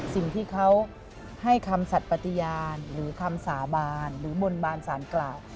สิ่งที่เขาให้คำสัตว์ปฏิญาณหรือคำสาบานหรือบนบานสารกล่าว